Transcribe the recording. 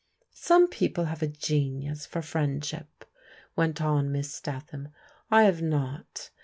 " Some people have a genius for friendship," went on Miss Statham. " I have not.